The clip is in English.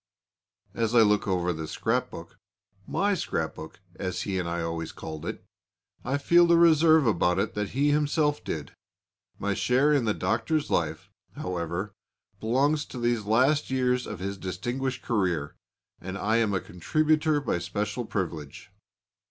As I look over the scrapbook, my scrapbook (as he and I always called it), I feel the reserve about it that he himself did. My share in the Doctor's life, however, belongs to these last years of his distinguished career, and I am a contributor by special privilege.